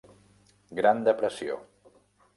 Gran Depressió.